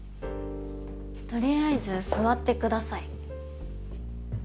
とりあえず座ってください。